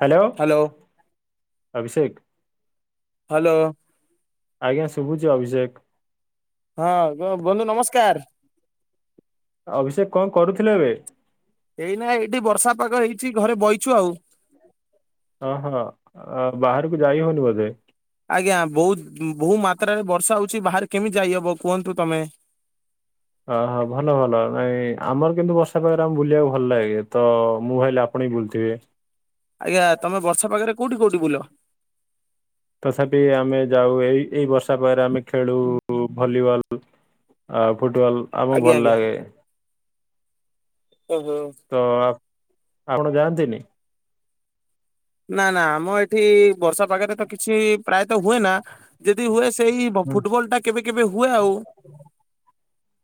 Hello Abhishek hello. ଆଜ୍ଞା ଶୁଭୁଛି ଅଭିଷେକ। ହଁ ବ- ବନ୍ଧୁ ନମସ୍କାର ଅଭିଷେକ କଣ କରୁଥିଲେ ଏବେ? ଏଇନା ଏଇଠି ବର୍ଷା ପାଗ ହେଇଛି ଘରେ ବଇ ଅ ହଁ ବାହାରକୁ ଯାଇ ହଉନି ବୋଧେ? ଆଜ୍ଞା ବହୁତ ବହୁ ମାତ୍ରାରେ ବର୍ଷା ହଉ ଛି ବାହାରେ କେମିତି ଯାଇହବ କୁହନ୍ତୁ ତମେ? ଓହୋ ଭଲ ଭଲ ନାଇଁ ଆମର କିନ୍ତୁ ବର୍ଷା ପାଗରେ ଆମ ବୁଲିବାକୁ ଭଲ ଲାଗେ ତ ମୁଁ ଭାବିଲି ଆପଣ ନାଇ ବୁଲୁଥିବେ। ଆଜ୍ଞା ତମେ ବର୍ଷା ପାଖରେ କୋଉଠି କୋଉଠି ବୁଲ? ତଥାପି ଆମେ ଯାଉ ଏଇ ଏଇ ବର୍ଷା ପାଗରେ ଆମେ ଖେଳୁ ଭଲିବଲ ଆ ଫୁଟବଲ ଆମକୁ ଆଜ୍ଞା ଭଲ ଆଜ୍ଞା ଲାଗେ। ଓହୋ। ତ ଆ- ଆପଣ ଯାଆନ୍ତିନି? ନା ନା ଆମ ଏ ଏଠି ବର୍ଷା ପାଗରେ ତ କିଛି ପ୍ରାୟତଃ ହୁଏ ନା ଯଦି ହୁଏ ସେଇ ହୁଁ। ଫୁଟବଲ ଟା କେବେ କେବେ ହୁଏ ଆଉ।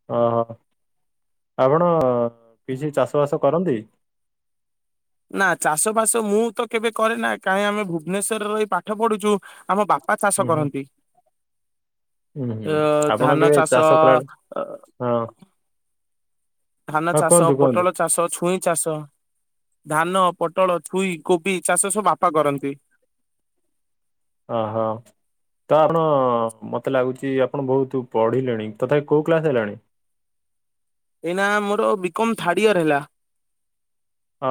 ହ ହ। ଆପଣ କିଛି ଚାଷବାସ କରନ୍ତି? ନା ଚାଷ ବାସ ମୁଁ ତ କେବେ କରେ ନା କାହିଁ ଆମେ ଭୁବନେଶ୍ଵରରେ ରହି ପାଠ ପଢୁଛୁ ଆମ ବାପା ବା ଚାଷ ହୁଁ ହୁଁ କରନ୍ତି? ହୁଁ ଅ ହୁଁ ଆପଣ ଧାନ କେବେ ଚାଷ ଅ, କଲାବେଳେ ହଁ ଧାନ ହଁ ଚାଷ କୁହନ୍ତୁ କୁହନ୍ତୁ ପୋଟଳ ଚାଷ ଛୁଇଁ ଚାଷ ଧାନ ପୋଟଳ ଛୁଇ କୋବି ଚାଷ ସବୁ ବାପା କରନ୍ତି। ଓହୋ। ତ ଆପଣ ମତେ ଲାଗୁଛି ଆପଣ ବହୁତ ପଢିଲେଣି ତଥାପି କୋଉ କ୍ଲାସ ହେଲାଣି? ଏଇନା ମୋର ବିକମ ଥାର୍ଡ ଇୟର ହେଲା।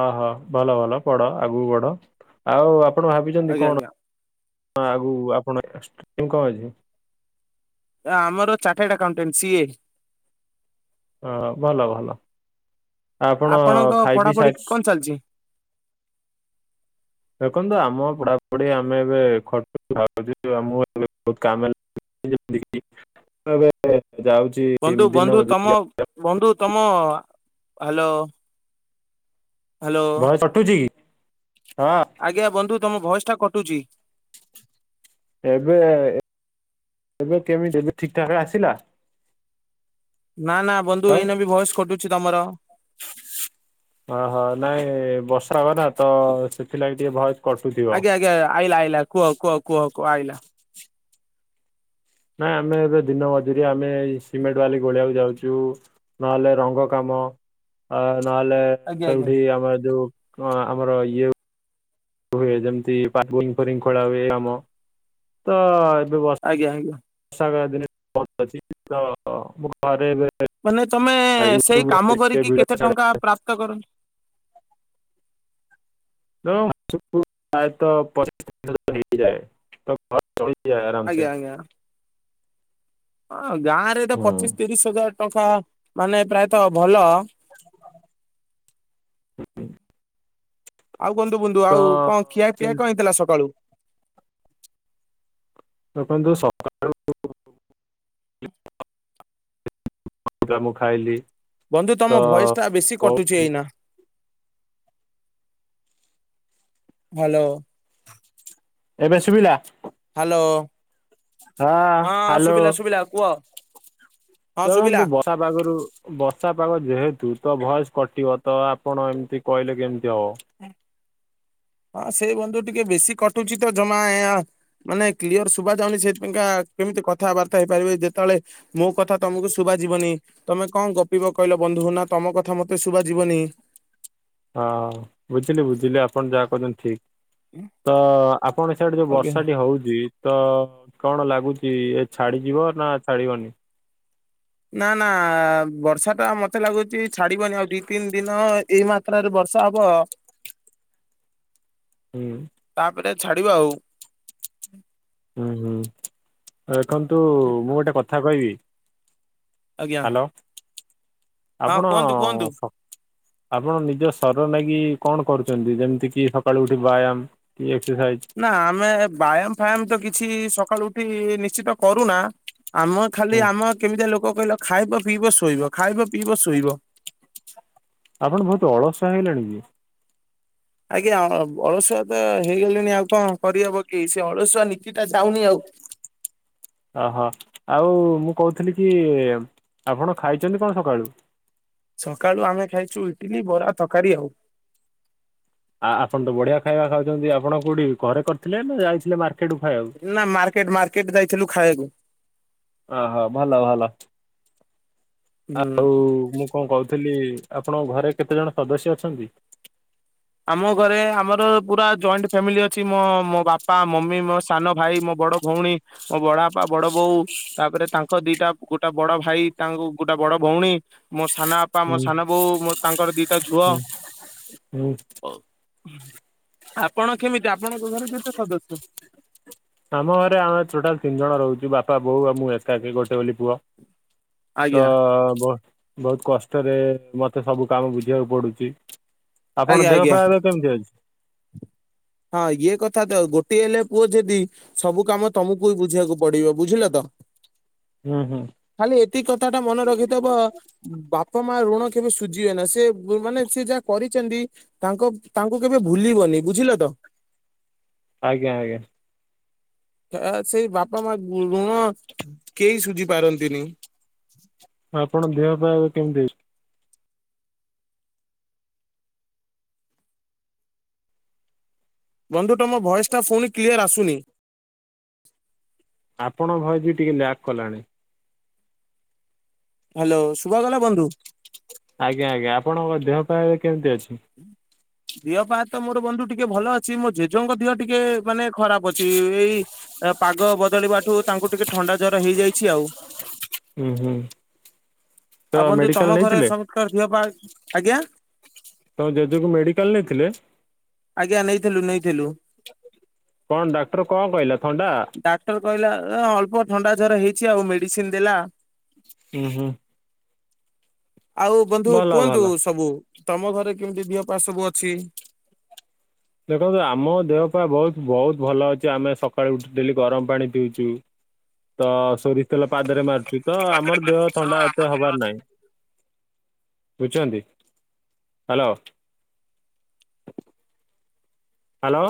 ଓ ହୋ ଭଲ ଭଲ ପଢ ଆଗକୁ ପଢ। ଆଉ ଆପଣ ଭାବିଛନ୍ତି ଆଜ୍ଞା କଣ? ଆଜ୍ଞା ହଁ ଆଗୁ ଆପଣ କଣ ଅଛି? ଆମର ଚାଟାର୍ଡ ଆକାଉଣ୍ଟାଣ୍ଟ ସିଏ। ହ ଭଲ ଭଲ ଆପଣ ଆପଣଙ୍କ ଖାଇ ପିଇ ପଢାପଢି ସାରି କଣ ଚାଲିଛି? ଦେଖନ୍ତୁ ଆମ ପଢାପଢି ଆମେ ଏବେ ଖଟୁଚୁ ଖାଉଚୁ [unintelligible] ଆମ ଏ ବହୁ କାମ ଆବେ [unintelligible] ବନ୍ଧୁ ବନ୍ଧୁ ତମ ବନ୍ଧୁ ତମ ହ୍ୟାଲୋ ହ୍ୟାଲୋ ଭଏସ କଟୁଛି କି? ହଁ ଆଜ୍ଞା ବନ୍ଧୁ ତମ ଭଏସ ଟା କଟୁଛି। ଏବେ ଏବେ କେମିତି ଏ ଠିକଠାକ ରେ ଆସିଲା? ନା ନା ତ? ବନ୍ଧୁ ଏଇନେ ବି ଭଏସ ଖଟୁଛି ତମର। ଓହୋ ନାଇଁ ବର୍ଷା କ ନା ତ ସେଥିଲାଗି ଟିକେ ଭୟ ଆଜ୍ଞା ଆଜ୍ଞା ଆଇଲା ଆଇଲା କୁହ କୁହ କୁହ କୁହ ଆଇଲା। ନାଇଁ ଆମେ ଏବେ ଦିନ ମଜୁରିଆ ଆମେ ସିମେଣ୍ଟ ବାଲି ଗୋଳେଇବାକୁ ଯାଉଛୁ ନହେଲେ ରଙ୍ଗ କାମ ମ ଆ ନହେଲେ ଆଜ୍ଞା ଆଜ୍ଞା ସେଉଠି ଆମର ଯୋଉ ଆମର ଇଏ ହୁଏ ଯେମତି ପା ବୋରିଂ ଫରିଂ ଖୋଳା ହୁଏ କାମ ତ ଏବେ ଆଜ୍ଞା ଆଜ୍ଞା। [unintelligible] ମାନେ ତମେ ସେଇ ୟୁଟ୍ୟୁବରେ କାମ ଟିକେ କରିକି ଭିଡିଓ କେତେ ଛାଡେ ଟଙ୍କା ପ୍ରାପ୍ତ କର? ତ ମାସକୁ ପ୍ରାୟତଃ ପଚିଶ ହଜାର ହେଇଯାଏ ତ ଘରେ ଚ ଯାଆ ଆରାମ ଆଜ୍ଞା ସେ ଆଜ୍ଞା। ହଁ ଗାଁ ରେ ତ ହୁଁ, ପଚିଶ ତିରିଶ ହଜାର ଟଙ୍କା ମାନେ ପ୍ରାୟତଃ ଭଲ। ଆଉ କୁହନ୍ତୁ ବନ୍ଧୁ ତ ଆଉ କଣ ଖିଆ ପିଆ କିନ୍ତୁ କଣ ହେଇଥିଲା ସକାଳୁ ଦେଖନ୍ତୁ ସକାଳୁ [unintelligible] [unintelligible] ମୁଁ ଖାଇଲି ବନ୍ଧୁ ତ ତମ ଭଏସ ଟା ବେଶୀ କଟୁଛି ବହୁତ ଏଇନା ହ୍ୟାଲୋ ଏବେ ଶୁଭିଲା ହ୍ୟାଲୋ ହଁ ହ୍ୟାଲୋ ଶୁଭିଲା ଶୁଭିଲା କୁହ ହଁ ଶୁଭିଲା ଦେଖନ୍ତୁ ବର୍ଷା ପାଗରୁ ବର୍ଷା ପାଗ ଯେହେତୁ ତ ଭୟସ କଟିବ ତ ଆପଣ ଏମିତି କହିଲେ କେମିତି ହବ ହଁ ସେଇ ବନ୍ଧୁ ଟିକେ ବେଶୀ କଟୁଛି ତ ଜମା ଏ ଅ ମାନେ କ୍ଲିୟର ଶୁଭା ଯାଉନି ସେଥିପକା କେମିତି କଥାବାର୍ତ୍ତା ହେଇପାରିବେ ଯେତେବେଳେ ମୋ କଥା ତମକୁ ଶୁଭା ଯିବନି ତମେ କଣ ଗପିବ କହିଲ ବନ୍ଧୁ ନା ତମ କଥା ମୋତେ ଶୁଭା ଯିବନି ହଁ ବୁଝିଲି ବୁଝିଲି ଆପଣ ଯାହା କଛନ୍ତି ଠିକ ତ ଆପଣ ସେଡେ ଯୋଉ ଆଜ୍ଞା। ବର୍ଷାଟି ହଉଛି। ତ କଣ ଲାଗୁଚି ଏ ଛାଡିଯିବ ନା ଛାଡିବନି ନା ନା ବର୍ଷା ଟା ମତେ ଲାଗୁଚି ଛାଡିବନି ଆଉ ଦି ତିନି ଦିନ ଏଇ ମାତ୍ରାରେ ବର୍ଷା ଅସବ ହୁଁ ଏଟେ ଛାଡିବା ଆଉ ହୁଁ ହୁଁ ଦେଖନ୍ତୁ ମୁଁ ଗୋଟେ କଥା କହିବି ଆଜ୍ଞା ହ୍ୟାଲୋ ହଁ ଆପଣ କୁହନ୍ତୁ କୁହନ୍ତୁ। ସ ଆପଣ ନିଜ ସର ନେଇଗି କଣ କରୁଛନ୍ତି ଯେମିତି କି ସକାଳୁ ଉଠି ବ୍ୟାୟାମ କିଏ ନା ଆମେ ବ୍ୟାୟାମ ଫୟାମ ତ କିଛି ସକାଳୁ ଉଠି ନିଶ୍ଚିତ କରୁନା ଆମ ଖାଲି ହୁଁ ଆମ କେମିତିଆ ଲୋକ କହିଲ ଖାଇବ ପିଇବ ଶୋଇବ ଖାଇବ ପିଇବ ଶୋଇବ ଆପଣ ବହୁତ ଅଳସୁଆ ହେଇଲାଣି କି ଆଜ୍ଞା ଅ ଅଳସୁଆ ତ ହେଇଗଲିଣି ଆଉ କଣ କରିହବ କି ସେ ଅଳସୁଆ ନୀତି ଟା ଯାଉନି ଆଉ [inaudible] ଓହୋ ଆଉ ମୁଁ କହୁଥିଲି କି ଆପଣ ଖାଇଛନ୍ତି କଣ ସକାଳୁ? ସକାଳୁ ଆମେ ଖାଇଛୁ ଇଟିଲି ବରା ତରକାରୀ ଆଉ ଆ ଆପଣ ତ ବଢିଆ ଖାଇବା ଖାଉଛନ୍ତି ଆପଣ କୋଉଠି ଘରେ କରିଥିଲେ ନା ଯାଇଥିଲେ ମା ନା ମାର୍କେଟ ମାର୍କେଟ ଯାଇଥିଲୁ ଖାଇବାକୁ। ଓ ହୋ ଭଲ ଭଲ ହୁଁ। ଆଉ ମୁଁ କଣ କହୁଥିଲି ଆପଣଙ୍କ ଘରେ କେତେ ଜଣ ସଦସ୍ୟ ଅଛନ୍ତି? ଆମ ଘରେ ଆମର ପୁରା ଜଏଣ୍ଟ ଫ୍ୟାମିଲି ଅଛି ମୋ ମୋ ବାପା ମମି ମୋ ସାନ ଭାଇ ମୋ ବଡ ଭଉଣୀ ମୋ ବଡ ବାପା ବଡ ବୋଉ ତାପରେ ତାଙ୍କ ଦିଟା ଗୋଟେ ବଡ ଭାଇ ତାଙ୍କୁ ଗୋଟା ବଡ ଭଉଣୀ ମୋ ସାନ ବାପା ମୋ ହୁଁ ସାନ ବୋଉ ମୋ ତାଙ୍କର ଦିଟା ଝୁଅ ହୁଁ। ହୁଁ ଆପଣ କେମିତି ଆପଣଙ୍କ ଘରେ କେତେ ସଦସ୍ୟ? ଆମ ଘରେ ଆମେ ଟୋଟାଲ ତିନି ଜଣ ରହୁଛୁ ବାପା ବୋଉ ଆ ମୁଁ ଏକା ଏକି ଗୋଟେ ବୋଲି ପୁଅ ତ ଆଜ୍ଞା ବ ବହୁତ କଷ୍ଟରେ ମତେ ସବୁ କାମ ବୁଝିବାକୁ ପଡୁଛି। ଆପଣ ଆଜ୍ଞା ଦେହ ଆଜ୍ଞା ପା ଏବେ କେମିତି ଅଛି। ହଁ ଇଏ କଥା ତ ଗୋଟେ ହେଲେ ପୁଅ ଯଦି ସବୁ କାମ ତମକୁ ହି ବୁଝିବାକୁ ପଡିବ ବୁଝିଲ ତ ହୁଁ ହୁଁ ଖାଲି ଏତିକି କଥା ଟା ମନେ ରଖିଥବ ବାପ ମା ଋଣ କେବେ ସୁଝିହୁଏ ନା ସେ ମାନେ ସେ ଯାହା କରିଛନ୍ତି ତାଙ୍କ ତାଙ୍କୁ କେବେ ଭୁଲିବନି ବୁଝିଲ ତ? ଆଜ୍ଞା ଆଜ୍ଞା। ତା ସେଇ ବାପା ମା ଗୁ- ଗୁଣ କେହି ସୁୁଝି ପାରନ୍ତିନି। ଆପଣ ଦେହ ପାହା କେମିତି ଅଛି? ବନ୍ଧୁ ତମ ଭଏସ ଟା ପୁଣି କ୍ଲିୟର ଆସୁନି। ଆପଣ ଭୟେସ ଟିକେ ଲ୍ୟାକ୍ କଲାଣି। ହ୍ୟାଲୋ ଶୁଭାଗଲା ବନ୍ଧୁ? ଆଜ୍ଞା ଆଜ୍ଞା ଆପଣଙ୍କ ଦେହ ପାହା କେମତି ଅଛି? ଦେହ ପାହା ତ ମୋର ବନ୍ଧୁ ଟିକେ ଭଲ ଅଛି। ମୋ ଜେଜେ ଙ୍କ ଦିହ ଟିକେ ମାନେ ଖରାପ ଅଛି ଏଇ ପାଗ ବଦଳିବା ଠୁ ତାଙ୍କୁ ଟିକେ ଥଣ୍ଡା ଜର ହେଇଯାଇଛି ଆଉ। ହୁଁ ହୁଁ ତ ଆଉ ବନ୍ଧୁ ମେଡିକାଲ ତମ ଘରେ ନେଇଥିଲେ? ସମତଙ୍କ ଦେହ ପାହା ଆଜ୍ଞା? ତମ ଜେଜେଙ୍କୁ ମେଡିକାଲ ନେଇେଥିଲେ? ଆଜ୍ଞା ନେଇଥିଲୁ ନେଇଥିଲୁ। କଣ ଡାକ୍ତର କଣ କହିଲା ଥଣ୍ଡା? ଡାକ୍ତର କହିଲା ଏ ହେ ଅଳ୍ପ ପ ଥଣ୍ଡା ଜର ହେଇଛି ଆଉ ମେଡିସିନ ଦେଲା। ହୁଁ ହୁଁ। ଆଉ ବନ୍ଧୁ ଭଲ କୁହନ୍ତୁ ଭଲ। ସବୁ ତମ ଘରେ କେମିତି ଦିହ ପାହା ସବୁ ଅଛି। ଦେଖନ୍ତୁ ଆମ ଦେହ ପାହା ବହୁତ୍ ବହୁତ୍ ଭଲ ଅଛି ଆମେ ସକାଳୁ ଉଠ ଡେଲି ଗରମ ପାଣି ପିଉଚୁ। ତ ସନ୍ଧି ତ ପାଦରେ ମାରୁଛି ତ ଆମର ଦେହ ଥଣ୍ଡା ଏତେ ହବାର ନାହିଁ। ବୁଝୁଛନ୍ତି। ହ୍ୟାଲୋ? ହ୍ୟାଲୋ?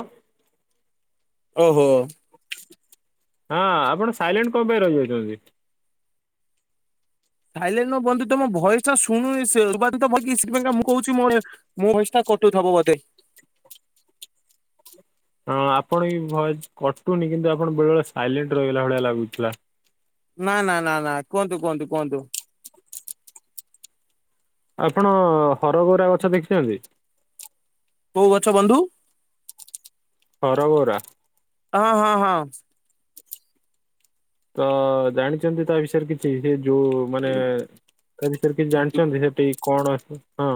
ହଉ ହଉ। ହଁ ଆପଣ ସାଇଲେଣ୍ଟ କଣ ପାଇଁ ରହିଯାଉଛନ୍ତି? ସାଇଲେଣ୍ଟ ନୁହେଁ ବନ୍ଧୁ ତମ ଭୟସ ଟା ଶୁଣନି ସେ [unintelligible] ଏସି ପାଇଁ କା ମୁଁ କହୁଚି ମୋ ଭୟେସ୍ ଟା କଟୁଥବୁ ବୋଧେ। ହଁ ଆପଣ ବି ଭୟେଶ କଟୁନି କିନ୍ତୁ ଆପଣ ବେଳେ ବେଳେ ସାଇଲେଣ୍ଟ ରହଗଲା ଭଳିଆ ଲାଗୁଥିଲା। ନା ନା ନା ନା କୁହନ୍ତୁ କୁହନ୍ତୁ କୁହନ୍ତୁ। ଆପଣ ହରଗୌରା ଗଛ ଦେଖିଛନ୍ତି? କଉ ଗଛ ବନ୍ଧୁ? ହରଗୌରା। ହଁ ହଁ ହଁ। ତ ଜାଣିଛନ୍ତି ତା ବିଷୟରେ କିଛି ଟିକେ ଯୋଉ ମାନେ ତା ବିଷୟରେ କିଛି ଜାଣିଛନ୍ତି ସେଠିକ କଣ? ହଁ।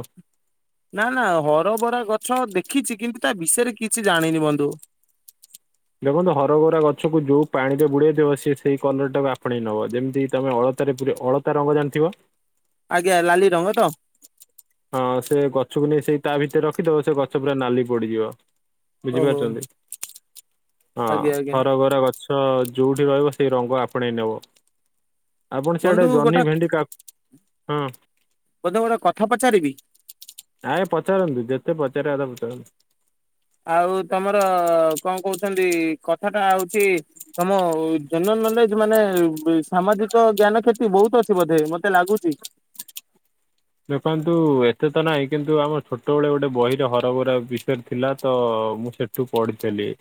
ନା ନା ହରବରା ଗଛ ଦେଖିଛି କିନ୍ତୁ ତା ବିଷୟରେ କିଛି ଜାଣିନି ବନ୍ଧୁ। ଦେଖନ୍ତୁ ହରଗୌରା ଗଛକୁ ଯୋଉ ପାଣିରେ ବୁଡେଇଦିବ ସିଏ ସେଇ କଲର ଟାକୁ ଆପଣେଇ ନବ ଯେମିତି ତମେ ଅଳ ତା ରେ ପୁରେଇ ଅଳତା ରଙ୍ଗ ଜାଣିଥିବ? ଆଜ୍ଞା ଲାଲି ରଙ୍ଗ ତ? ହଁ ସେ ଗଛକୁ ନେଇ ସେଇ ତା ଭିତରେ ରଖିଦବ ସେ ଗଛ ପୁରା ନାଲି ପଡିଯିବ। ଓହୋ ବୁଝିପାରୁଛନ୍ତି ହଁ ଆଜ୍ଞା ଆଜ୍ଞା ହରାଗୌରା ଗଛ ତ ଯୋଉଠି ରହିବ ସେଇ ରଙ୍ଗ ଆପଣେଇ ନେବ। ଆପଣ ବନ୍ଧୁ ସେଆଡେ ଗୋଟା ଜହ୍ନି ଭେଣ୍ଡି କାକୁ- ହଁ। ବନ୍ଧୁ ଗୋଟେ କଥା ପଚାରିବି? ଆ ଏ ପଚାରନ୍ତୁ ଯେତେ ପଚାରିବା କଥା ପଚାରନ୍ତୁ। ଆଉ ତମର କଣ କଥାଟା ହଉଛି ତମ ଜେନେରାଲ ନଲେଜ ମାନେ ସାମାଜିକ ଜ୍ଞାନ କ୍ଷତି ବହୁତ ଅଛି ବୋଧେ ମତେ ଲାଗୁଛି। ଦେଖନ୍ତୁ ଏତେ ତ ନାହିଁ କିନ୍ତୁ ଆମ ଛୋଟବେେଳେ ଗୋଟେ ବହିରେ ହରଗୌରା ବିଷୟରେ ଥିଲା ତ ହଉ ମୁଁ ସେଠୁ ପଢିଥିଲି।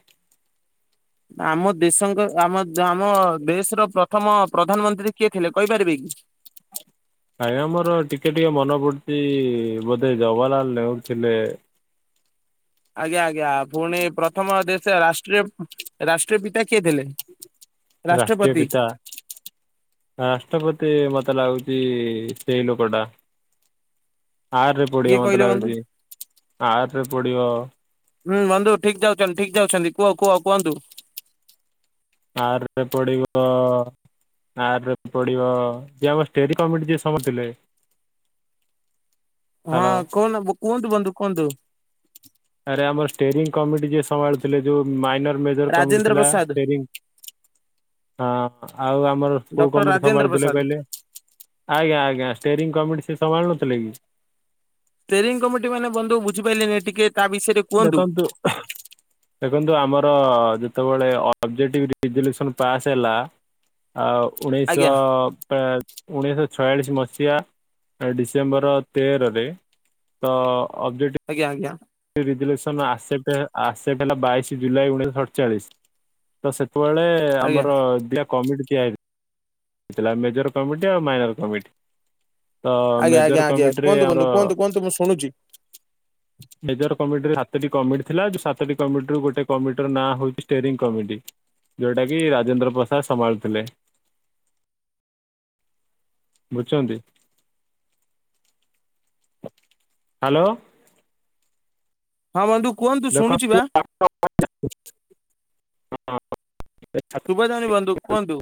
ଆମ ଦେଶଙ୍କ ଆମ ଆମ ଦେଶ୍ ର ପ୍ରଥମ ପ୍ରଧାନମନ୍ତ୍ରୀ କିଏ ଥିଲେ କହିପାରିବେ କି? ହ ଆଜ୍ଞା ମୋର ଟିକେ ଟିକେ ମନେ ପଡ଼ୁଛି ବୋଧେ ଜବାର୍ ଲାଲ୍ ନେହୁର୍ ଥିଲେ। ଆଜ୍ଞା ଆଜ୍ଞା ପୁଣି ପ୍ରଥମ ଦେ ସ ରାଷ୍ଟ୍ରୀୟ ରାଷ୍ଟ୍ରୀୟ ପିତା କିଏ ଥିଲେ? ରାଷ୍ଟ୍ରୀୟ ରାଷ୍ଟ୍ରପତି ପିତା ରାଷ୍ଟ୍ରପତି ମତେ ଲାଗୁଚି ସେଇ ଲୋକଟା। ଆର୍ ରେ କିଏ ପଡ଼ିବ ମତେ କହିଲେ ବନ୍ଧୁ? ଲାଗୁଚି ଆର୍ ରେ ପଡ଼ିବ। ହୁଁ ବନ୍ଧୁ ଠିକ୍ ଯାଉଛନ୍ତି ଠିକ୍ ଯାଉଛନ୍ତି କୁଅ କୁଅ କୁଅନ୍ତୁ। ଆର୍ ରେ ପଡ଼ିବ ଆର୍ ରେ ପଡ଼ିବ ଯଏ ଆମ ଷ୍ଟେଟ୍ କମିଟି ଯିଏ ସ [unintelligible] ଥିଲେ। ହଁ କନ ହବ କୁଅନ୍ତୁ ବନ୍ଧୁ କୁଅନ୍ତୁ। ଆରେ ଆମର୍ ଷ୍ଟେରିଂ କମିଟି ଯିଏ ସମ୍ଭାଳୁଥିଲେ ଯୋଉ ମାଇନର୍ ମେଜର୍ କମିଟି ରାଜେନ୍ଦ୍ର ଥିଲା ପ୍ରସାଦ ଷ୍ଟେରିଙ୍ଗ୍ ହଁ ଆଉ ଆମର କଉ ଡକ୍ଟର କମିଟି ରାଜେନ୍ଦ୍ର ସମ୍ଭାଳୁ ଥିଲେ ପ୍ରସାଦ। କହିଲେ? ଆଜ୍ଞା ଆଜ୍ଞା ଷ୍ଟେରିଂ କମିଟି ସେ ସମ୍ଭାଳୁ ନଥିଲେ କି? ତେରିଂ କମିଟି ମାନେ ବନ୍ଧୁ ବୁଝିପାଇଲିନି ଟିକେ ତା ବିଷୟରେ କୁହନ୍ତୁ। ଦେଖନ୍ତୁ ଦେଖନ୍ତୁ ଆମର ଯେତେବେଳେ ଅ ସବ୍ ଜେଟିବ୍ ରେଜଲୁସନ୍ ପାସ୍ ହେଲା ଆଉ ଉଣେଇଶଅ ଆଜ୍ଞା ପ୍ରାଏ ଉଣେଇଶଅ ଛୟାଳିଶ୍ ମସିହା ଡିସେମ୍ବର ତେରରେ ତ ଆଜ୍ଞା ଆଜ୍ଞା। ରେଜୁଲେସନ ଆସେପ୍ଟେ ଆସେପ୍ଟେ ହେଲା ବାଇଶି ଜୁଲାଇ ଉଣେଇଶ ସଡ଼୍ ଚାଳିଶ୍ ତ ସେ [unintelligible] ଳେ ଆଜ୍ଞା ଆମର ଦିଟା କମିଟି ତିଆରି ହେଇଥିଲା ମେଜର କମିଟି ଆଉ ମାଇନର କମିଟି। ତ ଆଜ୍ଞା ଆଜ୍ଞା ମେଜର ଆଜ୍ଞା କମିଟିରେ କୁହନ୍ତୁ ଆମର ବନ୍ଧୁ କୁହନ୍ତୁ କୁହନ୍ତୁ ମୁଁ ଶୁଣୁଛି। ମେଜର କମିଟିରେ ହାତଟି କମିଟି ଥିଲା ଯୋଉ ସାତଟି କମିଟିରୁ ଗୋଟେ କମିଟି ର ନାଁ ହୋଉଛି ଷ୍ଟେରିଂ କମିଟି। ଯୋଉଟା କି ରାଜେନ୍ଦ୍ର ପ୍ରସାଦ୍ ସମ୍ଭାଳୁଥିଲେ। ବୁଜ୍ ଛନ୍ତି ହାଲୋ। ହଁ ବନ୍ଧୁ କୁହନ୍ତୁ ଶୁଣୁଛି ବା। ହଁ। ସୁବା ଯାଉନି ବନ୍ଧୁ କୁଅନ୍ତୁ।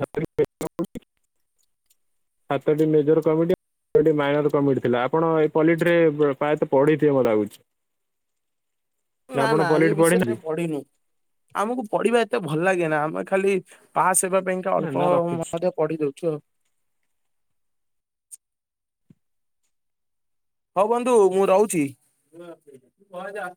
ଆଠଟି ମେଜର କମିଟି ଗୋଟେ ମାଇନର କମିଟି ଥିଲା ଆପଣ ଏ ପଲିଟି ରେ ପ୍ର-ପ୍ରାୟତଃ ପଢ଼ିଥିବେ ମତେ ଲାଗୁଛି। ନା ଆପଣ ନା ଏଇ ପଲିଟି ବିଷୟରେ କାଇଁ ପଢ଼ିନାହାନ୍ତି ପଢ଼ିନି ଆମକୁ ପଢ଼ିବା ଏତେ ଭଲ୍ ଲାଗେନ୍ ନା ଆମେ ଖାଲି ପାସ୍ ହେବା ପାଇଁକା ଅଳ୍ପ ନା ରଖୁଛି ମଧ୍ୟ ପଢ଼ି ଦଉଛୁ ଆଉ। ହୋଉ ବନ୍ଧୁ ମୁଁ ରହୁଛି।